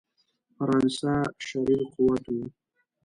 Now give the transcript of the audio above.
فرانسه شریر قوت وو.